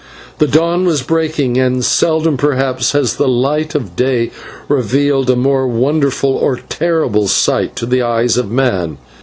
The dawn was breaking and seldom perhaps has the light of day revealed a more wonderful or terrible sight to the eyes of man.